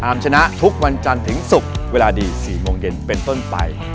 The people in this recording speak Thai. ชนะทุกวันจันทร์ถึงศุกร์เวลาดี๔โมงเย็นเป็นต้นไป